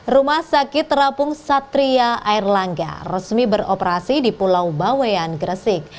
rumah sakit terapung satria air langga resmi beroperasi di pulau bawean gresik